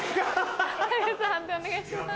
判定お願いします。